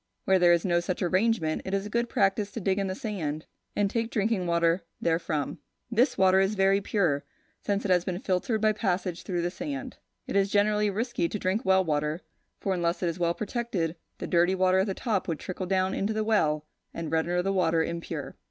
Where there is no such arrangement, it is a good practice to dig in the sand, and take drinking water therefrom. This water is very pure, since it has been filtered by passage through the sand. It is generally risky to drink well water, for unless it is well protected, the dirty water at the top would trickle down into the well, and render the water impure.